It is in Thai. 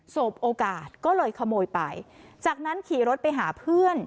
สบโอกาสก็เลยขโมยไปจากนั้นขี่รถไปหาเพื่อน